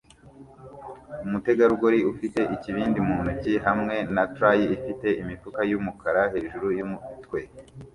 Umutegarugori ufite ikibindi mu ntoki hamwe na tray ifite imifuka yumukara hejuru yumutwe